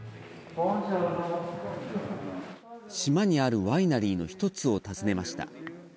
島にあるワイナリーのひとつを訪ねました。